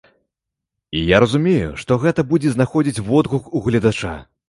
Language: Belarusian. І я разумею, што гэта будзе знаходзіць водгук у гледача.